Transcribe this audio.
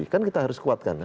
kan kita harus kuatkan